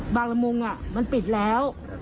บางระมุงอ่ะมันปิดแล้ว